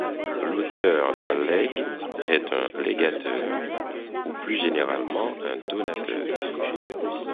L'auteur d'un legs est un légateur, ou plus généralement un donateur.